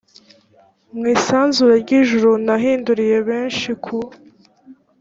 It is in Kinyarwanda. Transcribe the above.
mu isanzure ry ijuru n abahinduriye benshi ku